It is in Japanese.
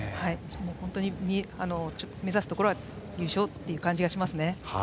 本当、目指すところは優勝という感じがしますね。